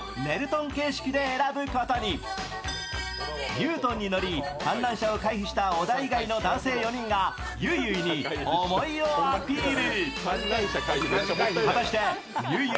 ニュートンに乗り、観覧車を回避した小田以外の男性４人が、ゆいゆいに思いをアピール。